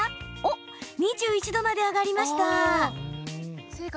おお、２１度まで上がりました！